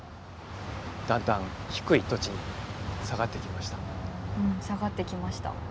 だんだん低い土地に下がってきました。